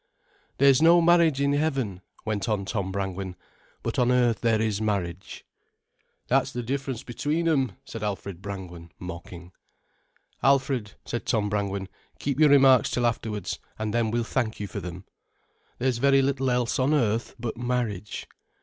"There's no marriage in heaven," went on Tom Brangwen; "but on earth there is marriage." "That's the difference between 'em," said Alfred Brangwen, mocking. "Alfred," said Tom Brangwen, "keep your remarks till afterwards, and then we'll thank you for them.—There's very little else, on earth, but marriage.